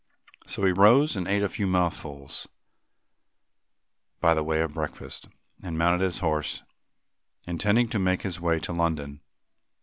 So he rose and ate a few mouthfuls, by way of breakfast, and mounted his horse, intending to make his way to London.